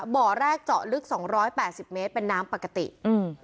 บ่อแรกเจาะลึกสองร้อยแปดสิบเมตรเป็นน้ำปกติอืม